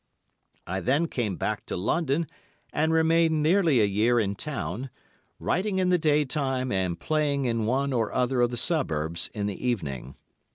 I then came back to London and remained nearly a year in Town, writing in the day time and playing in one or other of the suburbs in the evening.